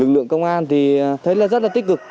lực lượng công an thì thấy là rất là tích cực